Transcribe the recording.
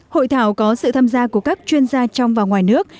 hội thảo có sự tham gia của các chuyên gia trong và ngoài nước